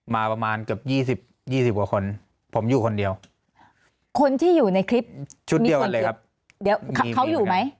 มาประมาณเกือบ๒๐๒๐กว่าคนผมอยู่คนเดียวคนที่อยู่ในคลิปชุดเดียวกันเลยครับเดี๋ยวเขาอยู่ไหม